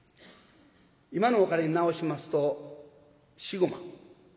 今のお金になおしますと４５万。